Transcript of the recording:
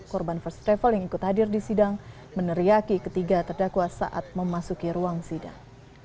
korban first travel yang ikut hadir di sidang meneriaki ketiga terdakwa saat memasuki ruang sidang